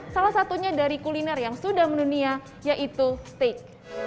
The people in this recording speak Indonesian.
salah satunya dari kuliner yang sudah menunia yaitu steak